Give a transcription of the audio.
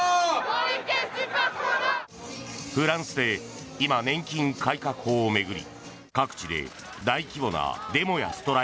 フランスで今、年金改革法を巡り